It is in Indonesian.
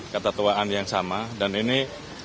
kata tuaan yang sama dan ini